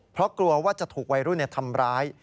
เพราะกลัวว่าจะถูกวัยรุ่นทำร้าย